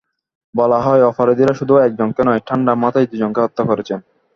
বলা হয়, অপরাধীরা শুধু একজনকে নয়, ঠান্ডা মাথায় দুজনকে হত্যা করেছেন।